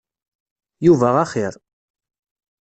Yuba axir.